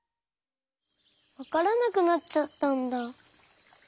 わからなくなっちゃったんだ。